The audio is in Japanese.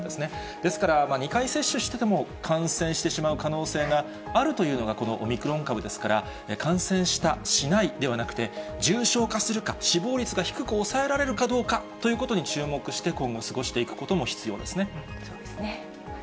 ですから２回接種してても感染してしまう可能性があるというのが、このオミクロン株ですから、感染した、しないではなくて、重症化するか、死亡率が低く抑えられるかどうかということに注目して、今後、そうですね。